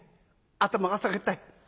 頭を下げたい。